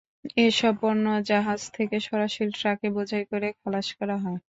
এসব পণ্য জাহাজ থেকে সরাসরি ট্রাকে বোঝাই করে খালাস করা হয়।